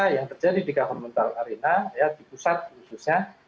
yang terjadi di governmental arena di pusat khususnya